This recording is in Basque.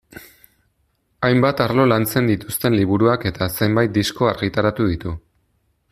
Hainbat arlo lantzen dituzten liburuak eta zenbait disko argitaratu ditu.